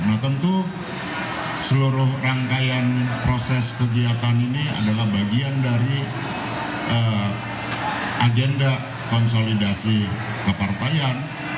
nah tentu seluruh rangkaian proses kegiatan ini adalah bagian dari agenda konsolidasi kepartaian